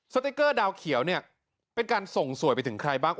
สติ๊กเกอร์ดาวเขียวเนี่ยเป็นการส่งสวยไปถึงใครบ้าง